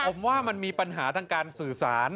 ผมว่ามันมีปัญหาทางการสื่อสาร